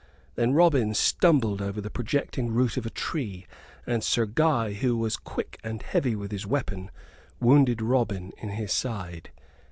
Then Robin stumbled over the projecting root of a tree; and Sir Guy, who was quick and heavy with his weapon, wounded Robin in his side.